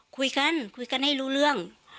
คุยกันคุยกันให้รู้เรื่อง